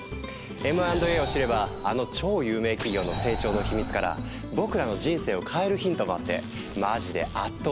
Ｍ＆Ａを知ればあの超有名企業の成長の秘密から僕らの人生を変えるヒントもあってマジであっと驚くお話なんですよ！